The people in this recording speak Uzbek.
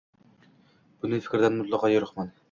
bunday fikrdan mutlaqo yiroqman.